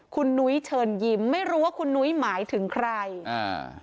คุณนุ้ยเชิญยิ้มไม่รู้ว่าคุณนุ้ยหมายถึงใครอ่า